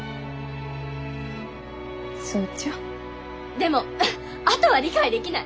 でもあとは理解できない！